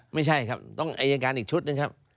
ไม่ใช่ครับต้องอายการอีกชุดหนึ่งครับ